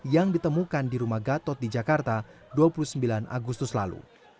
yang ditemukan di rumah gatot di jakarta dua puluh sembilan agustus lalu